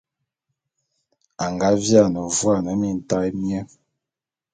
A nga viane vuane mintaé mié.